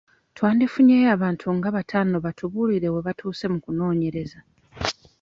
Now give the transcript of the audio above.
Twandifunyeeyo abantu nga bataano batubuulire we baatuuse mu kunoonyereza.